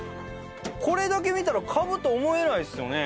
これだけ見たらカブと思えないですよね。